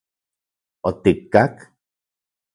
¿Otikkak...?